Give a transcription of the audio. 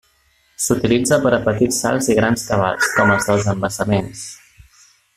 S'utilitza per a petits salts i grans cabals, com els dels embassaments.